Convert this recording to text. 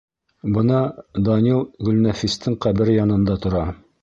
Бына Данил Гөлнәфистең ҡәбере янында тора.